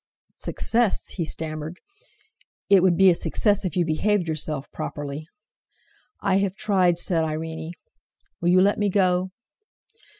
"Success," he stammered—"it would be a success if you behaved yourself properly!" "I have tried," said Irene. "Will you let me go?"